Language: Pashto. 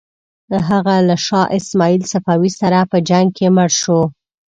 هغه له شاه اسماعیل صفوي سره په جنګ کې مړ شو.